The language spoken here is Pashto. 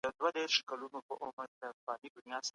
باید د معنوي کلتور ارزښت هم په پام کي ونیول سي.